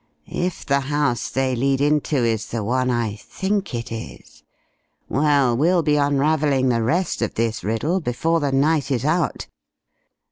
If the house they lead into is the one I think it is.... Well, we'll be unravelling the rest of this riddle before the night is out!"